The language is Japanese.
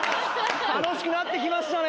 楽しくなって来ましたね！